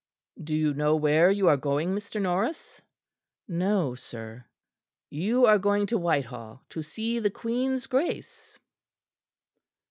"Do you know where you are going, Mr. Norris?" "No, sir." "You are going to Whitehall to see the Queen's Grace."